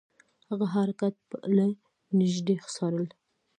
هغه حرکات له نیژدې څارل.